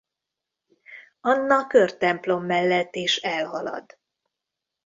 Anna körtemplom mellett is elhalad.